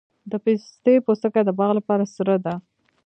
د پستې پوستکي د باغ لپاره سره ده؟